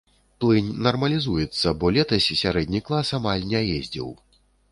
Плынь нармалізуецца, бо летась сярэдні клас амаль не ездзіў.